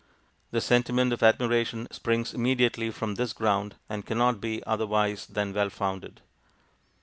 The sentiment of admiration springs immediately from this ground, and cannot be otherwise than well founded.